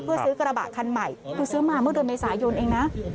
เพื่อซื้อกระบะคันใหม่ก็ซื้อมาเมื่อโดยในสายยนต์เองนะ